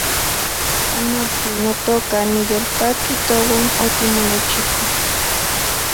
Panolti, notoka , niyolpaki touan otimonechiko